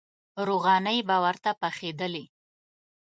روغانۍ به ورته پخېدلې.